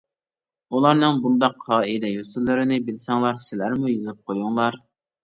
ئۇلارنىڭ بۇنداق قائىدە-يوسۇنلىرىنى بىلسەڭلار سىلەرمۇ يېزىپ قويۇڭلار.